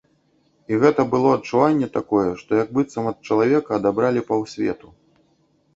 І гэта было адчуванне такое, што як быццам ад чалавека адабралі паўсвету.